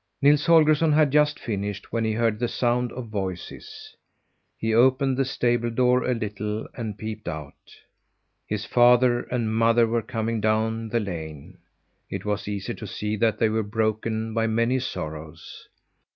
Nils Holgersson had just finished, when he heard the sound of voices. He opened the stable door a little and peeped out. His father and mother were coming down the lane. It was easy to see that they were broken by many sorrows.